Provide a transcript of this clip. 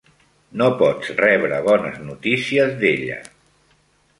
No pots rebre bones notícies d'ella.